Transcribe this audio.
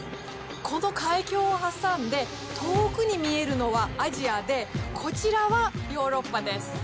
この海峡を挟んで遠くに見えるのはアジアで、こちらはヨーロッパです。